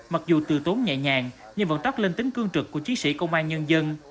mặc dù từ tốn nhẹ nhàng nhưng vẫn tóc lên tính cương trực của chiến sĩ công an nhân dân